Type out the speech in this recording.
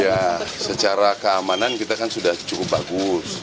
ya secara keamanan kita kan sudah cukup bagus